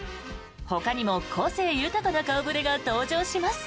ほかにも個性豊かな顔触れが登場します。